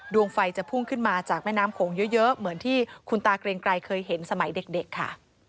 ดวงไฟจะพุ่งขึ้นมาจากแม่น้ำโขงเยอะเหมือนที่คุณตาเกรงไกรเคยเห็นสมัยเด็กค่ะ